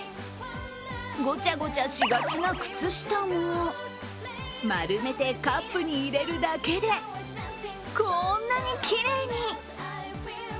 ごちゃごちゃしがちな靴下が丸めてカップに入れるだけでこんなにきれいに。